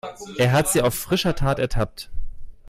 Er hat sie auf frischer Tat ertappt.